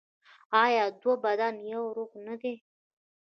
آیا دوه بدن یو روح نه دي؟